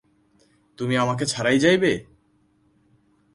তুমি আমাকে ছাড়াই যাবে?